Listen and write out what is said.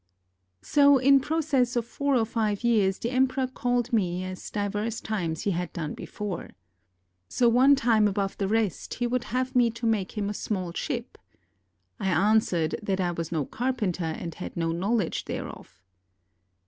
So in process of four or five years the emperor called me, as divers times he had done before. So one time above the rest he would have me to make him a small ship. I answered that I was no carpenter and had no knowledge thereof.